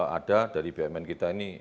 ada dari bumn kita ini